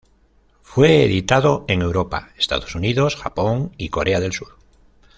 Fue editado en Europa, Estados Unidos, Japón y Corea del Sur.